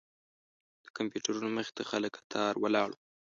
د کمپیوټرونو مخې ته خلک کتار ولاړ وو.